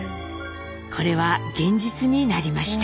これは現実になりました。